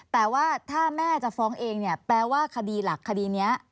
แต่ว่าถ้าแม่จะฟ้องเองเนี่ยแปลว่าคดีหลักคดีนี้